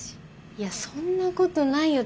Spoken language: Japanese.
いやそんなことないよ。